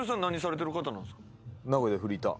名古屋でフリーター？